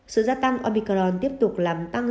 sự gia tăng omicron tiếp tục làm tăng